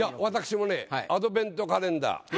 私もねアドベントカレンダー